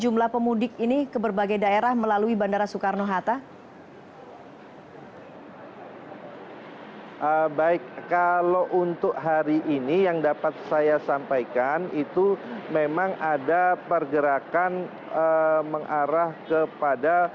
baik kalau untuk hari ini yang dapat saya sampaikan itu memang ada pergerakan mengarah kepada